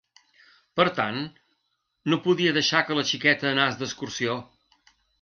Per tant, no podia deixar que la xiqueta anàs d’excursió.